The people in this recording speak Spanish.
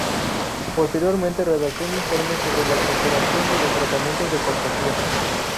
Posteriormente redactó un informe sobre la exageración de los tratamientos de cortesía.